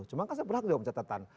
cuma kan saya berhak juga mencatatan